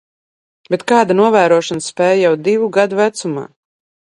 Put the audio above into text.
Bet kāda novērošanas spēja jau divu gadu vecumā!